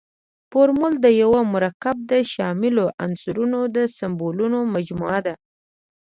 فورمول د یوه مرکب د شاملو عنصرونو د سمبولونو مجموعه ده.